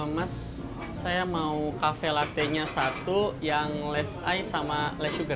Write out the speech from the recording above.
mas saya mau cafe latte nya satu yang less ice sama less sugar